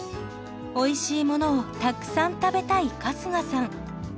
おいしいものをたくさん食べたい春日さん。